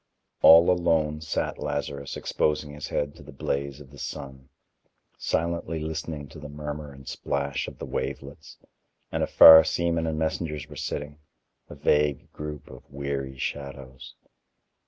All alone sat Lazarus exposing his head to the blaze of the sun, silently listening to the murmur and splash of the wavelets, and afar seamen and messengers were sitting, a vague group of weary shadows.